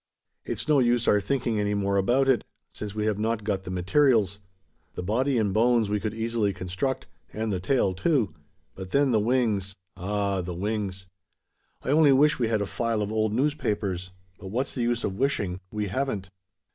It's no use our thinking any more about it: since we have not got the materials. The body and bones we could easily construct; and the tail too. But then the wings ah, the wings. I only wish we had a file of old newspapers. But what's the use of wishing? We haven't."